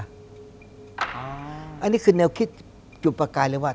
อันนี้คือแนวคิดจุดประกายเลยว่า